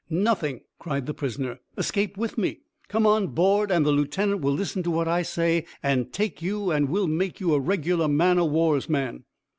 "Nothing," cried the prisoner. "Escape with me. Come on board, and the lieutenant will listen to what I say, and take you, and we'll make you a regular man o' war's man."